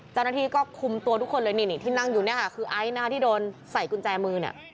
เจ้าหน้าที่ก็คุมตัวทุกคนเลยนี่ที่นั่งอยู่คือไอซ์ที่โดนใส่กุญแจมือ